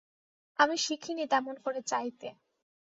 আমি শিখি নি তেমন করে চাইতে।